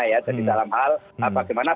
ya jadi dalam hal bagaimana